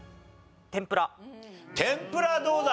天ぷらどうだ？